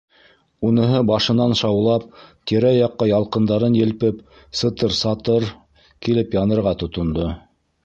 Уныһы башынан шаулап, тирә-яҡҡа ялҡындарын елпеп, сытыр-сатор килеп янырға тотондо.